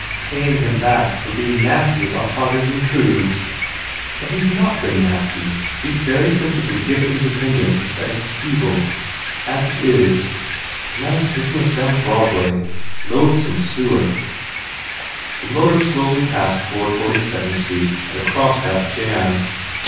"Paying him back for being nasty about Tod gers Intrudes. "But he s not been nasty. He s very sensibly given his opinion that it s feeble. As it is. The 216 BUBBLE man s taking us down Broadway. Loathsome sewer!" The motor slowly passed toward Forty Second Street and across that jam.